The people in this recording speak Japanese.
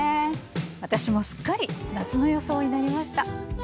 私もすっかり夏の装いになりました。